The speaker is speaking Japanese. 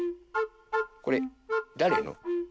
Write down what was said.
これだれの？